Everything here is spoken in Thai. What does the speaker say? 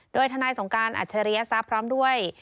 โดยทนายสงการอัจฉริยทรัพย์พร้อมด้วย